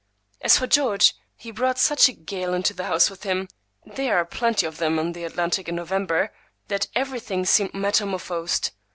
As for George, he brought such a gale into the house with him—there are plenty of them on the Atlantic in November—that everything seemed metamorphosed.